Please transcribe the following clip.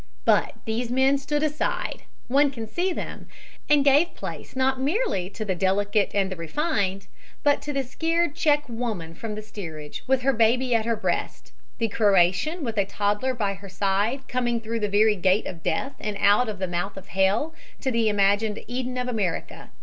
But these men stood aside one can see them! and gave place not merely to the delicate and the refined, but to the scared Czech woman from the steerage, with her baby at her breast; the Croatian with a toddler by her side, coming through the very gate of Death and out of the mouth of Hell to the imagined Eden of America.